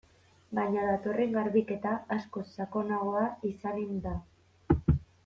Baina datorren garbiketa askoz sakonagoa izanen da.